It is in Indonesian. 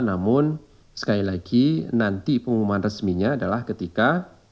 namun sekali lagi nanti pengumuman resminya adalah ketika